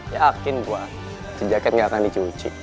yakin gue cek jacket gak akan dicuci